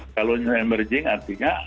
kalau new emerging artinya